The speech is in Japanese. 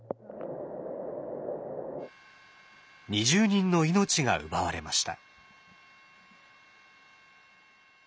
２０人の命が奪われました。